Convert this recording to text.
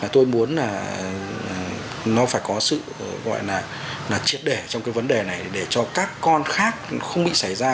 tôi muốn là nó phải có sự gọi là triệt để trong cái vấn đề này để cho các con khác không bị xảy ra